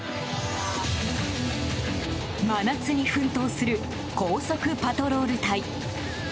真夏に奮闘する高速パトロール隊。